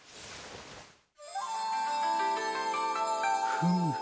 フム。